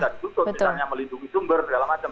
tidak bisa dituntut misalnya melindungi sumber segala macam